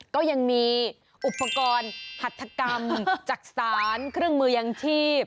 ก็ยังมีอุปกรณ์หัตถกรรมจักษานเครื่องมือยังชีพ